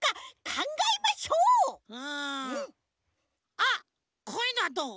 あっこういうのはどう？